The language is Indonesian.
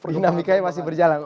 dinamika masih berjalan